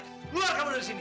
keluar kamu dari sini